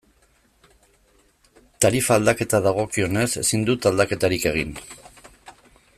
Tarifa aldaketa dagokionez, ezin dut aldaketarik egin.